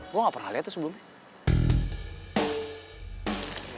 gue ga pernah liat tuh sebelumnya